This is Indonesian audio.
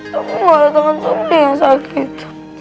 tapi gak ada tangan sabri yang sakit